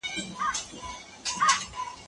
هغه غوښه چې په ازاده هوا کې وي مه اخلئ.